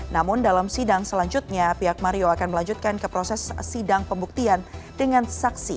namun dalam sidang selanjutnya pihak mario akan melanjutkan ke proses sidang pembuktian dengan saksi